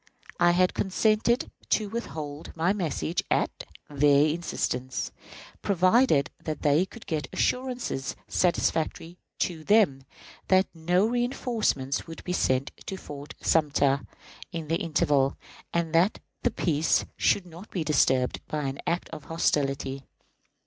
I had consented to withhold my message at their instance, provided they could get assurances satisfactory to them that no reënforcements would be sent to Fort Sumter in the interval, and that the peace should not be disturbed by any act of hostility.